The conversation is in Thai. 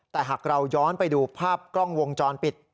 แต่หากเราย้อนไปดูภาพกล้องวงจรปิด